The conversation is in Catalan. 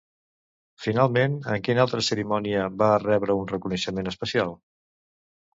Finalment, en quina altra cerimònia va rebre un reconeixement especial?